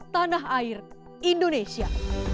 tanah air indonesia